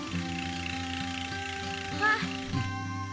あっ！